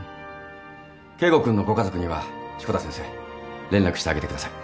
圭吾君のご家族には志子田先生連絡してあげてください。